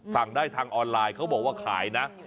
สั่งได้ทางออนไลน์เขาบอกว่าขายนะ